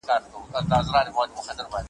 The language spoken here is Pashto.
په خاورو مې دا اوښكې ملغلـــــرې پېرزو نه شوې